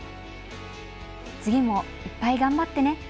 次もいっぱい頑張ってね。